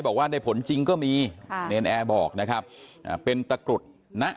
บอกว่าได้ผลจริงก็มีบอกนะครับเป็นตะกรุดนะ